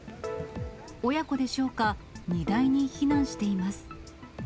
親子でしょうか、荷台に避難しています。